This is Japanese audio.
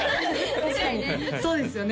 確かにそうですよね